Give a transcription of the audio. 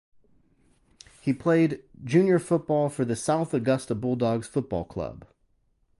He played junior football for the South Augusta Bulldogs Football club.